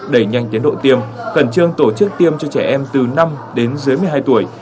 đẩy nhanh tiến độ tiêm khẩn trương tổ chức tiêm cho trẻ em từ năm đến dưới một mươi hai tuổi